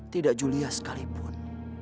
tidak yulia sekalipun